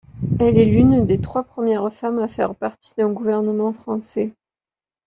Elle est l'une des trois premières femmes à faire partie d'un gouvernement français.